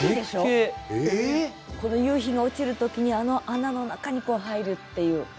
この夕日が落ちるときにあの穴の中に入るっていう。